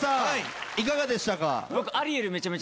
いかがでしたか？